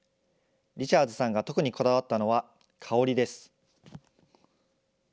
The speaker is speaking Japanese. リチャーズさんが特にこだわったのは香りです。